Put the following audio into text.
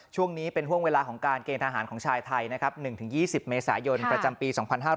ช่วงนี้เป็นห่วงเวลาของการเกณฑ์ทหารของชายไทยนะครับ๑๒๐เมษายนประจำปี๒๕๕๙